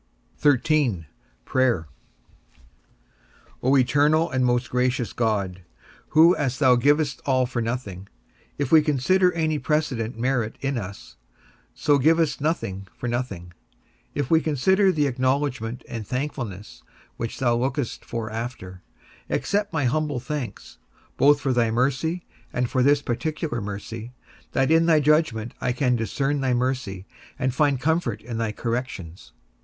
XIII. PRAYER. O eternal and most gracious God, who as thou givest all for nothing, if we consider any precedent merit in us, so givest nothing for nothing, if we consider the acknowledgment and thankfulness which thou lookest for after, accept my humble thanks, both for thy mercy, and for this particular mercy, that in thy judgment I can discern thy mercy, and find comfort in thy corrections.